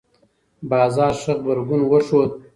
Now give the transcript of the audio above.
بازار ښه غبرګون وښود.